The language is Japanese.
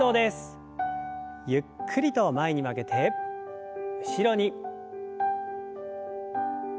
ゆっくりと前に曲げて後ろに。